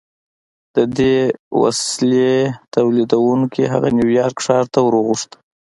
د دې وسیلې تولیدوونکي هغه نیویارک ښار ته ور وغوښت